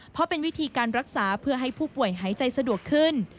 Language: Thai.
เพราะเป็นวิธีการรักษาเพื่อให้ผู้ป่วยหายใจสะดวกขึ้น